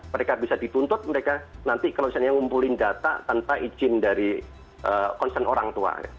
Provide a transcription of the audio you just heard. mereka bisa dituntut mereka nanti kalau misalnya ngumpulin data tanpa izin dari concern orang tua